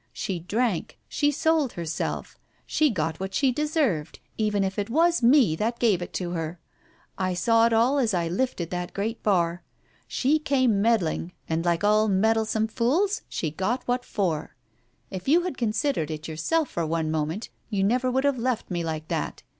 She drank, she sold herself, she got what she deserved, even if it was me that gave it to her. I saw it all as I lifted that great bar. She came meddling, and like all meddle Digitized by Google THE WITNESS 195 some fools, she got what for. If you had considered it yourself for one moment you never would have left me like that.